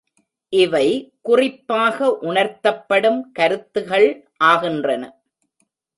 இவை குறிப்பாக உணர்த்தப்படும் கருத்துகள் ஆகின்றன.